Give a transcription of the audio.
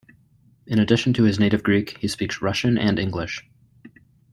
In addition to his native Greek, he speaks Russian and English.